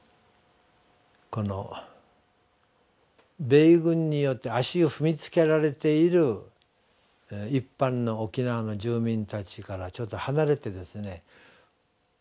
米軍によって足を踏みつけられている一般の沖縄の住民たちからちょっと離れてですね